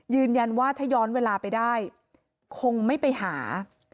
ยืนยันว่าถ้าย้อนเวลาไปได้คงไม่ไปหา